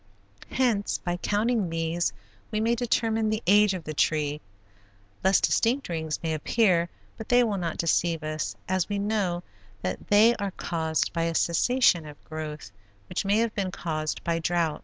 Hence, by counting these we may determine the age of the tree. Less distinct rings may appear but they will not deceive us as we know that they are caused by a cessation of growth, which may have been caused by drouth.